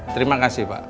terima kasih pak